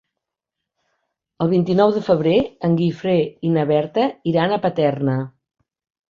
El vint-i-nou de febrer en Guifré i na Berta iran a Paterna.